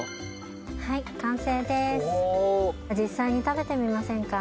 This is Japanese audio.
実際に食べてみませんか？